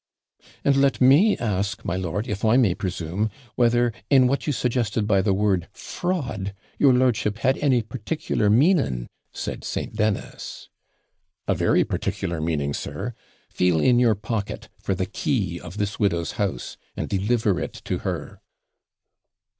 'And let me ask, my lord, if I may presume, whether, in what you suggested by the word fraud, your lordship had any particular meaning?' said St. Dennis. 'A very particular meaning, sir, feel in your pocket for the key of this widow's house, and deliver it to her.'